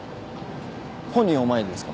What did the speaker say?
本人を前にですか？